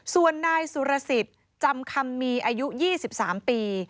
ส่วนนายสุรสิทธิ์จำคำมีอายุ๒๓ปี